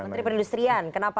menteri perindustrian kenapa